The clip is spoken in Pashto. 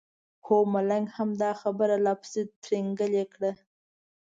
هو ملنګ هم دا خبره لا پسې ترینګلې کړه.